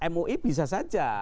mui bisa saja